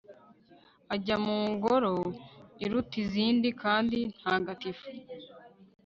ajya mu ngoro iruta izindi kandi ntagatifu